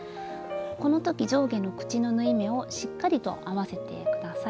この時上下の口の縫い目をしっかりと合わせて下さい。